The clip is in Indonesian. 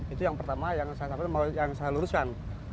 itu yang pertama yang saya luruskan